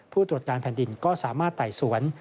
ผู้ตรวจการแผ่นดินก็สามารถไต่สวน